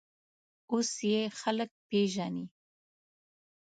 اوس یې خلک پېژني.